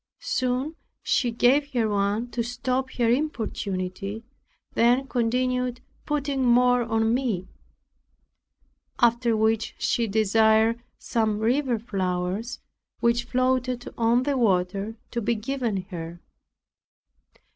Soon she gave her one to stop her importunity, then continued putting more on me; after which she desired some river flowers, which floated on the water, to be given her.